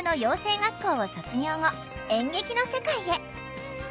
学校を卒業後演劇の世界へ。